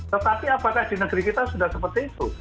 tetapi apakah di negeri kita sudah seperti itu